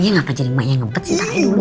iya gak jadi mak yang ngebet sih